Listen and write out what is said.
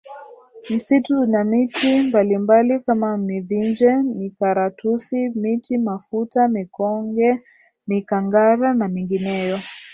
Msitu una miti mbalimbali kama mivinje mikaratusi miti mafuta mikonge mikangara na mingineyo